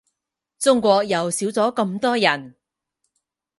中國又少咗咁多人